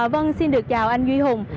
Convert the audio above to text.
vâng xin được chào anh duy hùng